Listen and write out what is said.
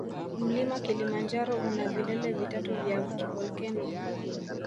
Mlima kilimanjaro una vilele vitatu vya kivolkeno